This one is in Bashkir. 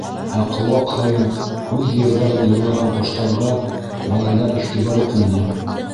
Ә ҡыуаҡ һайын үҙ йырҙарын йырлаған ҡоштарға малайҙар иғтибар итмәне.